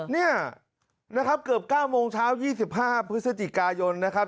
เนี่ยนะครับเกือบ๙โมงเช้า๒๕พฤศจิกายนนะครับ